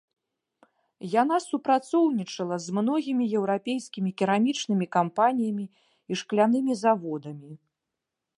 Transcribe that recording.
Яна супрацоўнічала з многімі еўрапейскімі керамічнымі кампаніямі і шклянымі заводамі.